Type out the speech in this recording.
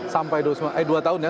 sampai dua tahun ya